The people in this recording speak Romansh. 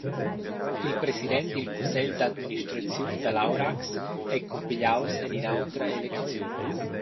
Il president dil cussegl d’administraziun dall’aurax ei cumpigliaus en ina autra elecziun.